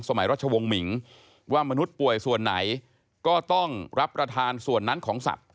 รัชวงศ์หมิงว่ามนุษย์ป่วยส่วนไหนก็ต้องรับประทานส่วนนั้นของสัตว